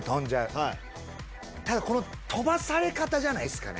はいこの飛ばされ方じゃないですかね